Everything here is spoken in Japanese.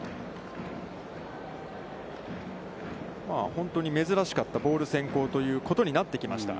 本当にめずらしかったボール先行ということになってきました。